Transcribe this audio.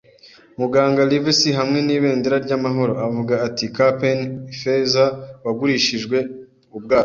Muganga Livesey hamwe nibendera ryamahoro. Avuga ati: 'Cap'n Ifeza, wagurishijwe. Ubwato